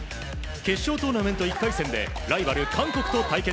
決勝トーナメント１回戦でライバル韓国と対決。